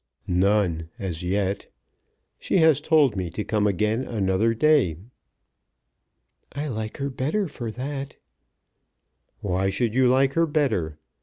"None; as yet! She has told me to come again another day." "I like her better for that." "Why should you like her better?